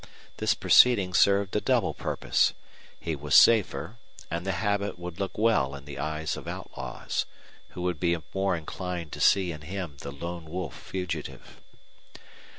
This proceeding served a double purpose he was safer, and the habit would look well in the eyes of outlaws, who would be more inclined to see in him the lone wolf fugitive.